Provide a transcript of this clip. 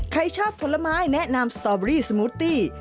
ใครชอบผลไม้แนะนำสตอเบอรี่สมูตตี้